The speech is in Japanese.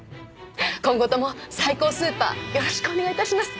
今後ともサイコウスーパーよろしくお願い致します。